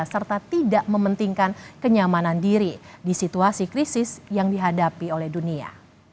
serta tidak mementingkan kenyamanan diri di situasi krisis yang dihadapi oleh dunia